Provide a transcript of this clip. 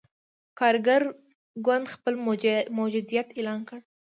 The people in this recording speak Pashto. کارګر ګوند خپل موجودیت اعلان کړ.